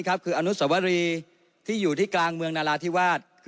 คืออนุสวรีที่อยู่ที่กลางเมืองนาราธิวาส